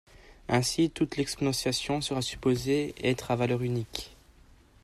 Ainsi, toute l'exponentiation sera supposée être à valeur unique.